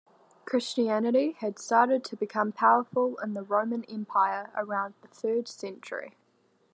Christianity had started to become powerful in the Roman Empire around the third century.